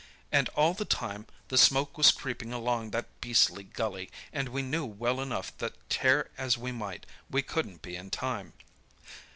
And all the time the smoke was creeping along that beastly gully, and we knew well enough that, tear as we might, we couldn't be in time.